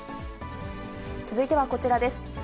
続いてはこちらです。